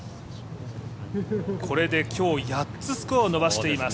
これで今日８つスコアを伸ばしています。